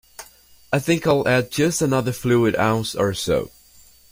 I think I'll add just another fluid ounce or so.